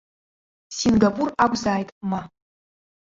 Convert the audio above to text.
Сингапур акәзааит, ма.